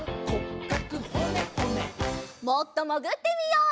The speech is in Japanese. もっともぐってみよう。